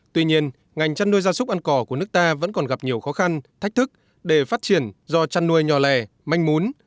tuy nhiên ngành chăn nuôi gia súc ăn cỏ của nước ta vẫn còn gặp nhiều khó khăn thách thức để phát triển do chăn nuôi nhỏ lẻ manh mún